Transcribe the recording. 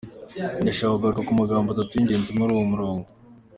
Ndashaka kugaruka ku magambo atatu y'ingenzi muri uwo murongo:.